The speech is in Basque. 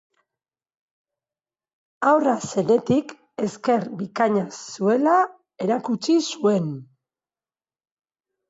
Haurra zenetik ezker bikaina zuela erakutsi zuen.